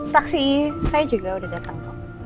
taksi saya juga udah datang kok